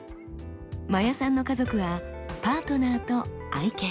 真矢さんの家族はパートナーと愛犬。